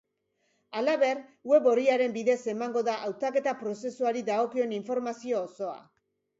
Halaber, web orriaren bidez emango da hautaketa prozesuari dagokion informazio osoa.